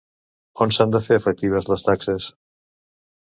On s'han de fer efectives les taxes?